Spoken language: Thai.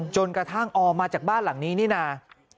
จนกระทั่งออมาจากบ้านหลังนี้นี่นะ